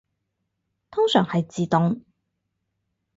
通常係自動